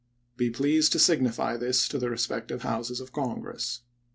Be pleased to signify this to the respective Houses of Congress."